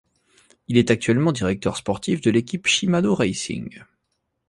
Il est actuellement directeur sportif de l'équipe Shimano Racing.